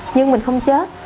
nhưng mình không chết